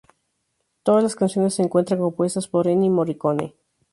Todas las canciones se encuentran compuestas por Ennio Morricone.